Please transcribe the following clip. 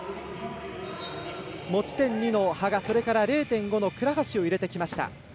持ち点２の羽賀、０．５の倉橋を入れてきました。